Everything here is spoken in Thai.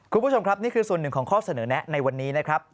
คุณผู้ชมครับนี่คือส่วนหนึ่งของข้อเสนอแนะในวันนี้นะครับ